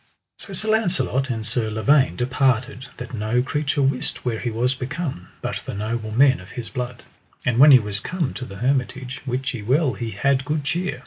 So Sir Launcelot and Sir Lavaine departed, that no creature wist where he was become, but the noble men of his blood. And when he was come to the hermitage, wit ye well he had good cheer.